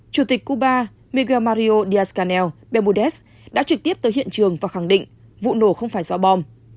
chủ tịch cuba miguel mario díaz canel bermudez đã trực tiếp tới hiện trường và khẳng định vụ nổ không phải do bom